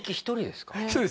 １人です。